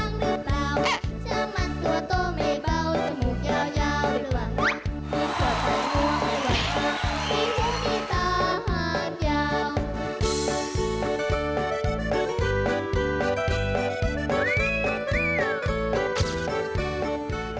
เก่งหัวใจช้างหัวจังและหัวเกาไปช้างใกล้ช้างช้างรักเป็นเรื่องสุดท้าย